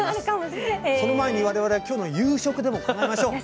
その前に我々は今日の夕食でも考えましょう。